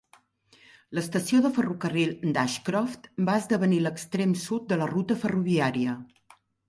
L'estació de ferrocarril d'Ashcroft va esdevenir l'extrem sud de la ruta ferroviària.